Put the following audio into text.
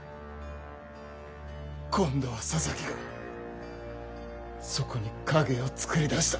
今度は佐々木がそこに影を作り出した。